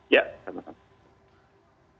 ya terima kasih